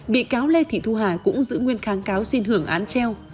bị cáo lê thị thu hà cũng giữ nguyên kháng cáo xin hưởng án treo